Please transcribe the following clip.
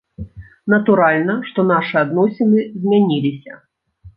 Натуральна, што нашы адносіны змяніліся.